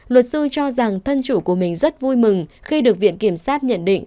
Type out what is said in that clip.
luật sư cho rằng thân chủ của mình rất vui mừng khi được viện kiểm sát nhận định